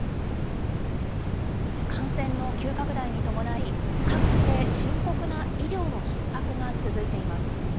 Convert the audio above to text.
感染の急拡大に伴い、各地で深刻な医療のひっ迫が続いています。